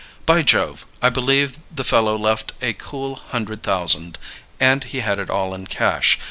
By Jove! I believe the fellow left a cool hundred thousand, and he had it all in cash.